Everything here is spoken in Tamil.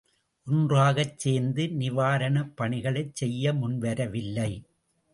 ஒன்றாகச் சேர்ந்து நிவாரணப் பணிகளைச் செய்ய முன்வரவில்லை!